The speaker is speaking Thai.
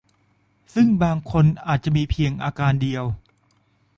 ซึ่งบางคนอาจจะมีเพียงอาการเดียว